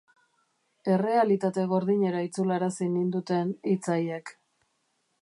Errealitate gordinera itzularazi ninduten hitz haiek.